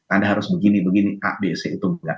anda harus begini begini a b c itu